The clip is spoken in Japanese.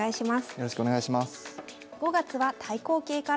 よろしくお願いします。